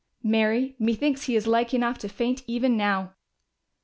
Marry, methinks he is like enough to faint even now."